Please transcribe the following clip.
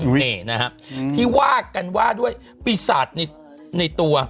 นี่นะฮะที่ว่ากันว่าด้วยปีศาจในตัว